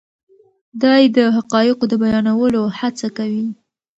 دی د حقایقو د بیانولو هڅه کوي.